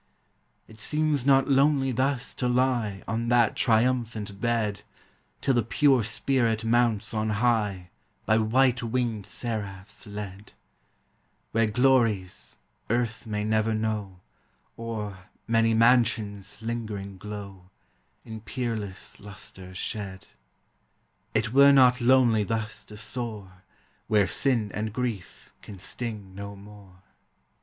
It seems not lonely thus to lie On that triumphant bed, Till the pure spirit mounts on high By white winged seraphs led: Where glories, earth may never know, O'er "many mansions" lingering glow, In peerless lustre shed. It were not lonely thus to soar Where sin and grief can sting no more.